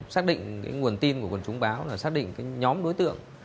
xác định nguồn tin của quân chúng báo là xác định nhóm đối tượng